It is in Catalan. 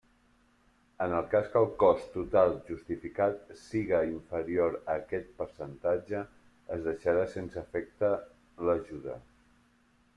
En el cas que el cost total justificat siga inferior a aquest percentatge, es deixarà sense efecte l'ajuda.